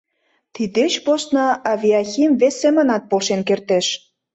Тиддеч посна авиахим вес семынат полшен кертеш.